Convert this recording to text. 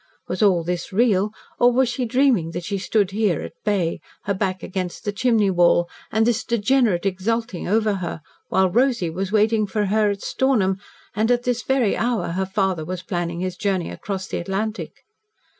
Was all this real, or was she dreaming that she stood here at bay, her back against the chimney wall, and this degenerate exulting over her, while Rosy was waiting for her at Stornham and at this very hour her father was planning his journey across the Atlantic?